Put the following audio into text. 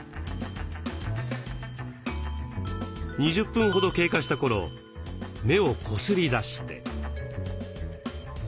２０分ほど経過した頃目をこすりだして。